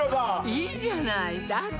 いいじゃないだって